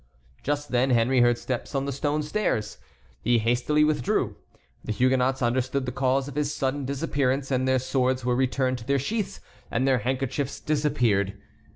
Just then Henry heard steps on the stone stairs. He hastily withdrew. The Huguenots understood the cause of his sudden disappearance, and their swords were returned to their sheaths and their handkerchiefs disappeared.